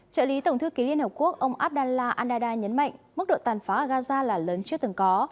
trợ lý tổng thư ký liên hợp quốc ông abdallah andada nhấn mạnh mức độ tàn phá ở gaza là lớn chưa từng có